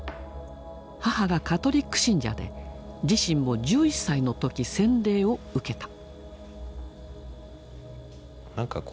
母がカトリック信者で自身も１１歳の時洗礼を受けた。